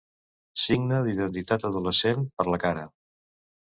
Signe d'identitat adolescent, per la cara.